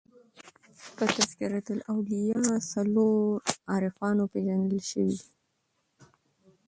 په "تذکرةالاولیاء" څلور عارفانو پېژندل سوي دي.